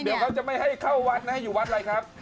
เดี๋ยวเขาจะไม่ให้เข้าวัดนะให้อยู่วัดอะไรครับ